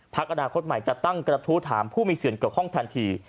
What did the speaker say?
อนาคตใหม่จะตั้งกระทู้ถามผู้มีส่วนเกี่ยวข้องทันที